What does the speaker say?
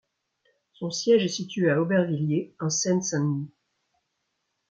Son siège est situé à Aubervilliers, en Seine-Saint-Denis.